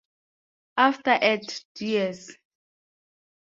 Efter at Ds.